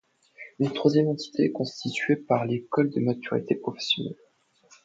Une troisième entité est constituée par l'école de maturité professionnelle.